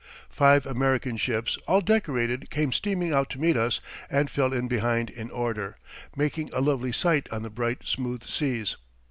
Five American ships, all decorated, came steaming out to meet us and fell in behind in order, making a lovely sight on the bright, smooth seas.